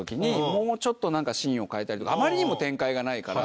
もうちょっとシーンを変えたりとかあまりにも展開がないから。